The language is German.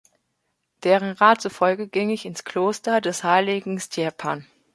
Deren Rat zufolge ging ich ins Kloster des heiligen Stjepan.